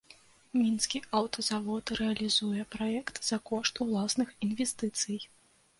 Мінскі аўтазавод рэалізуе праект за кошт уласных інвестыцый.